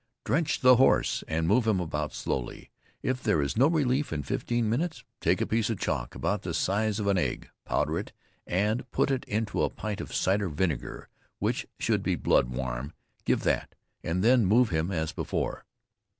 Drench the horse and move him about slowly. If there is no relief in fifteen minutes, take a piece of chalk, about the size of an egg, powder it, and put it into a pint of cider vinegar, which should be blood warm, give that, and then move him as before.